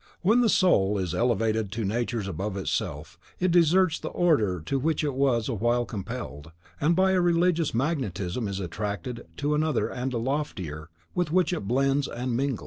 When the soul is elevated to natures above itself, it deserts the order to which it is awhile compelled, and by a religious magnetism is attracted to another and a loftier, with which it blends and mingles.